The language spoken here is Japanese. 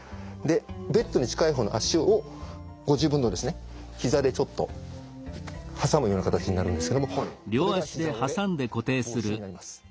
ベッドに近い方の足をご自分のひざでちょっと挟むような形になるんですけどもこれがひざ折れ防止になります。